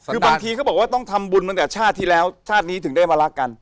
คือบางทีเขาบอกว่าต้องทำบุญตั้งแต่ชาติที่แล้วชาตินี้ถึงได้มารักกัน